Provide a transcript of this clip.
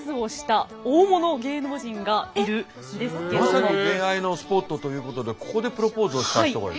なんとまさに恋愛のスポットということでここでプロポーズをした人がいる。